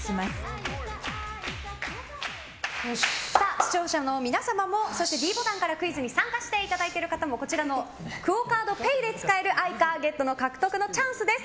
視聴者の皆さんもそしてｄボタンからクイズに参加していただいている方もＱＵＯカードＰａｙで使えるＡｉｃａ獲得のチャンスです。